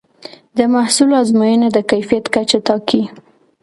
د محصول ازموینه د کیفیت کچه ټاکي.